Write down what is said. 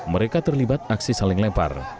mereka terlibat aksi saling lempar